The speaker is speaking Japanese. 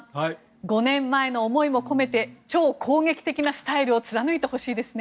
５年前の思いも込めて超攻撃的なスタイルを貫いてほしいですね。